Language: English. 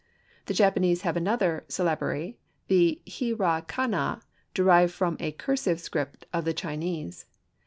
The Japanese have another syllabary, the Hi ra ka na, derived from a cursive script of the Chinese.